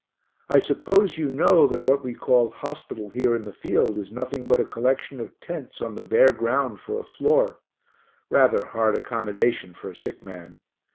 I suppose you know that what we call hospital here in the field is nothing but a collection of tents on the bare ground for a floor rather hard accommodation for a sick man.